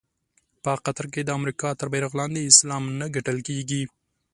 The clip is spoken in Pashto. په قطر کې د امریکا تر بېرغ لاندې اسلام نه ګټل کېږي.